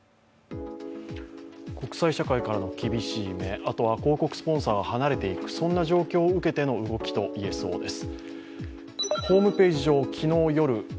国際社会からの厳しい目、広告スポンサーが離れていく、そんな状況を受けての動きといえそうです。